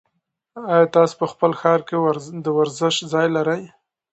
ایا تاسي په خپل ښار کې د ورزش ځای لرئ؟